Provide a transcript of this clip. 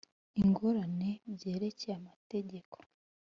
ingorane byerekeye amategeko